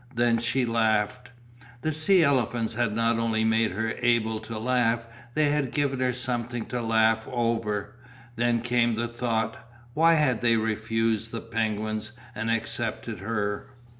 Then she laughed. The sea elephants had not only made her able to laugh, they had given her something to laugh over. Then came the thought: why had they refused the penguins and accepted her?